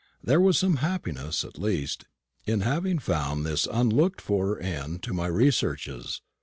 There was some happiness, at least, in having found this unlooked for end to my researches.